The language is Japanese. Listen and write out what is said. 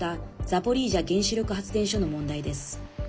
ザポリージャ原子力発電所の問題です。